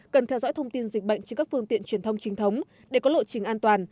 cần theo dõi thông tin dịch bệnh trên các phương tiện truyền thông trinh thống để có lộ trình an toàn